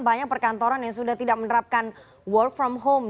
banyak perkantoran yang sudah tidak menerapkan work from home